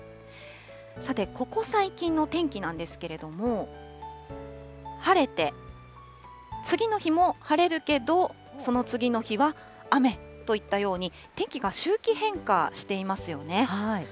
さて、ここ最近の天気なんですけれども、晴れて、次の日も晴れるけど、その次の日は雨といったように、天気が周期変化していますよね。